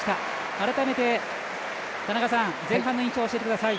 改めて、田中さん前半の印象を教えてください。